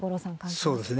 そうですね。